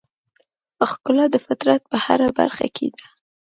ښکلا د فطرت په هره برخه کې ده.